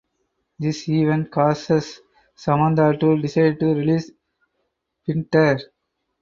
This event causes Samantha to decide to release Pinter.